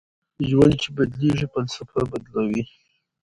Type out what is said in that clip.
ژوند چې بدلېږي فلسفه بدلوي